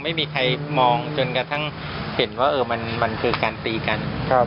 ไม่มีใครมองจนกระทั่งเห็นว่ามันคือการตีกัน